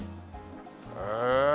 へえ！